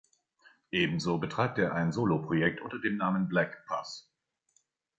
Ebenso betreibt er ein Soloprojekt unter dem Namen Black Pus.